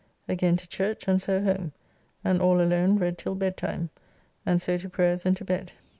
Again to church and so home, and all alone read till bedtime, and so to prayers and to bed.